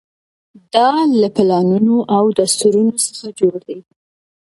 دا له پلانونو او دستورونو څخه جوړ دی.